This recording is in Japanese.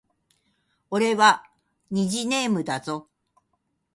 俺は虹ネームだぞ